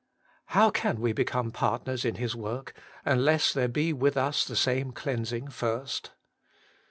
How can we become partners in His work, unless there be with us the same cleansing first.